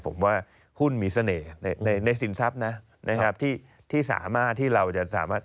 ผมว่าหุ้นมีเสน่ห์ในสินทรัพย์นะที่สามารถที่เราจะสามารถ